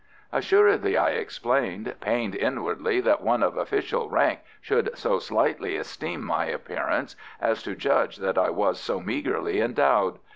"Assuredly," I explained, pained inwardly that one of official rank should so slightly esteem my appearance as to judge that I was so meagrely endowed.